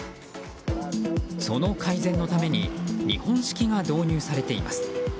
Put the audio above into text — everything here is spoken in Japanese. その改善のために日本式が導入されています。